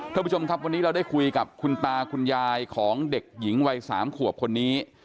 ท่านผู้ชมครับวันนี้เราได้คุยกับคุณตาคุณยายของเด็กหญิงวัย๓ขวบคนนี้